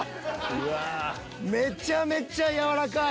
めちゃめちゃ軟らかい！